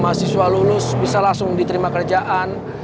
mahasiswa lulus bisa langsung diterima kerjaan